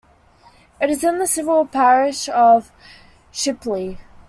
It is in the civil parish of Shipley.